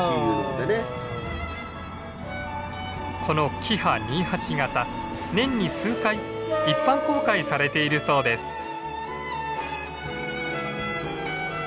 このキハ２８形年に数回一般公開されているそうです。